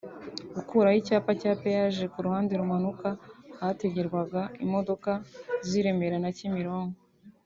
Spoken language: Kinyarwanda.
Gukuraho icyapa cya Peyaje ku ruhande rumanuka ahategerwaga imodoka z’i Remera na Kimironko